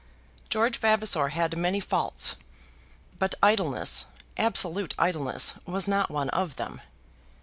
George Vavasor had many faults, but idleness absolute idleness was not one of them.